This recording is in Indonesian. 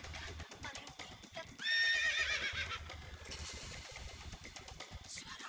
suara apa itu